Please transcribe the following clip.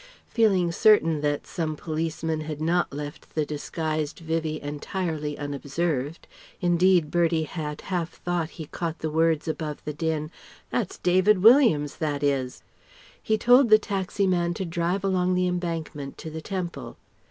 Feeling certain that some policeman had not left the disguised Vivie entirely unobserved indeed Bertie had half thought he caught the words above the din: "That's David Williams, that is," he told the taxi man to drive along the Embankment to the Temple.